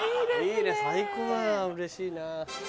いいね最高だな嬉しいな。